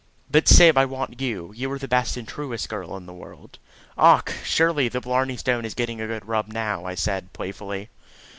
"But, Syb, I want you. You are the best and truest girl in the world." "Och! Sure, the blarney stone is getting a good rub now," I said playfully.